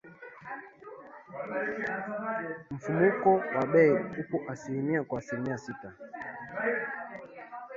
Mfumuko wa bei uko asilimia kwa asilimia sita